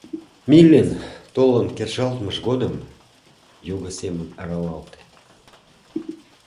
Миллин толын кержалтмыж годым його семын аралалте.